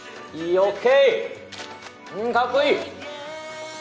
ＯＫ！